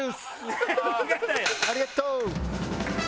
ありがとう！